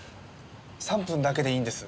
３分だけでいいんです。